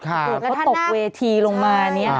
ค่ะแล้วถ้าหน้าเขาตกเวทีลงมานี่